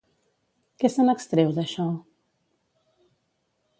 Què se n'extreu d'això?